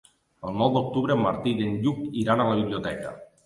El nou d'octubre en Martí i en Lluc iran a la biblioteca.